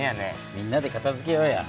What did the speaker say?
みんなでかたづけようや。